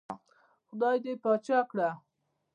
چې خدائے دې باچا کړه ـ